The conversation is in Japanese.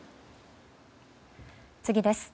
次です。